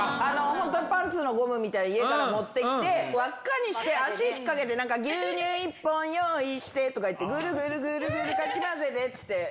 パンツのゴムみたいな、家から持ってきて、輪っかにして、足引っ掛けて、牛乳１本用意してとかいって、ぐるぐるぐるぐるかき混ぜてって言って。